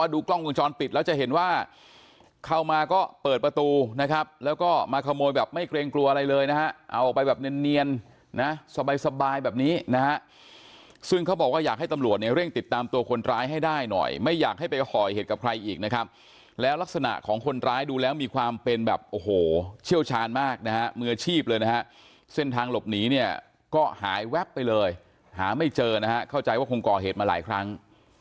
ซึ่งเขาบอกว่าอยากให้ตำรวจเร่งติดตามตัวคนร้ายให้ได้หน่อยไม่อยากให้ไปห่อเหตุกับใครอีกนะครับแล้วลักษณะของคนร้ายดูแล้วมีความเป็นแบบโอ้โหเชี่ยวชาญมากนะฮะมืออาชีพเลยนะฮะเส้นทางหลบหนีเนี่ยก็หายแว๊บไปเลยหาไม่เจอนะฮะเข้าใจว่าคงก่อเหตุมาหลายครั้ง